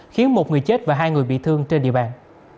khiến một người chết và hai người bị thương trên địa bàn